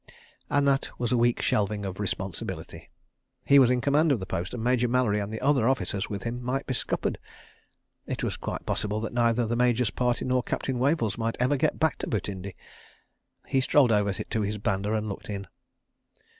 ... And that was a weak shelving of responsibility. He was in command of the post, and Major Mallery and the other officers with him might be scuppered. It was quite possible that neither the Major's party nor Captain Wavell's might ever get back to Butindi. He strolled over to his banda and looked in.